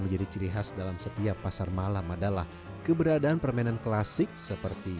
menjadi ciri khas dalam setiap pasar malam adalah keberadaan permainan klasik seperti